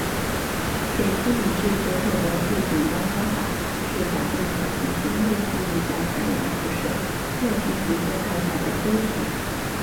给出理智结果的最简单方法是假定小行星类似于在太阳辐射热平衡状态下的灰体。